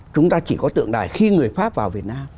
chúng ta chỉ có tượng đài khi người pháp vào việt nam